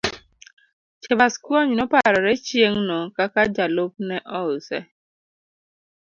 Chebaskwony noparore chieng' no kaka jalupne ouse.